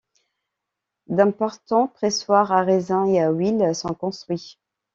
D’importants pressoirs à raisin et à huile sont construits.